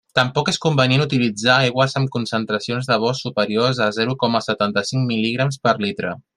Tampoc és convenient utilitzar aigües amb concentracions de bor superiors a zero coma setanta-cinc mil·ligrams per litre.